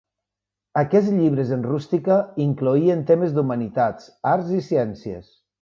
Aquests llibres en rústica incloïen temes d'humanitats, arts i ciències.